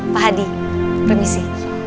pak hadi permisi